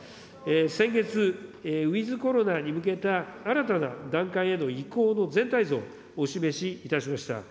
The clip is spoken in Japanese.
先月、ウィズコロナに向けた新たな段階への移行の全体像、お示しいたしました。